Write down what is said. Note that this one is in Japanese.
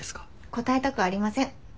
答えたくありません。